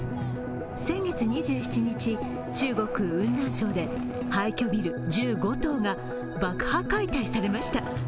先月２７日、中国・雲南省で廃虚ビル１５棟が爆破解体されました。